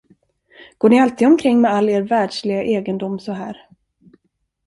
Går ni alltid omkring med all er världsliga egendom så här?